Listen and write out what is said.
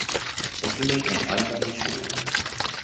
愛媛県愛南町